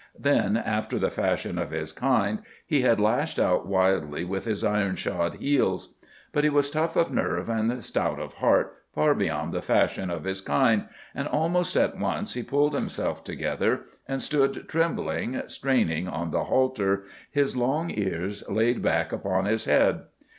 Then, after the fashion of his kind, he had lashed out wildly with his iron shod heels. But he was tough of nerve and stout of heart far beyond the fashion of his kind, and almost at once he pulled himself together and stood trembling, straining on the halter, his long ears laid back upon his head.